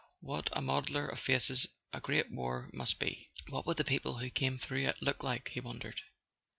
What a modeller of faces a great war must be! What would the people who came through it look like, he wondered.